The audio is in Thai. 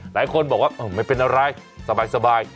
หลายคนบอกว่าไม่เป็นอะไรสบาย